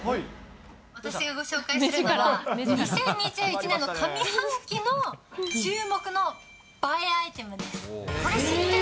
私がご紹介するのは、２０２１年の上半期の注目の映えアイテムです。